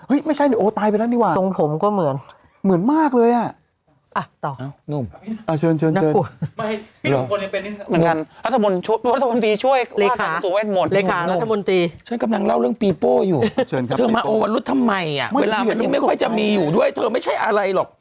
เธอมาโอวะรุดทำไมอ่ะเวลามันยังไม่ค่อยจะมีอยู่ด้วยเธอไม่ใช่อะไรหรอก